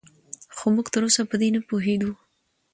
خو موږ تراوسه په دې نه پوهېدو